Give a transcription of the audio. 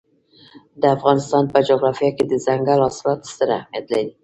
د افغانستان په جغرافیه کې دځنګل حاصلات ستر اهمیت لري.